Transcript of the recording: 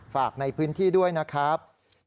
ฝากในพื้นที่ด้วยนะครับ